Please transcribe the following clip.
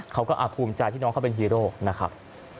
เขาก็ภูมิใจที่น้องเขาเป็นฮีโร่นะครับ